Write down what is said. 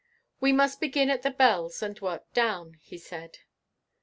"We must begin at the bells and work down," he said.